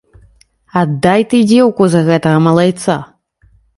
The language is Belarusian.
Аддай ты дзеўку за гэтага малайца.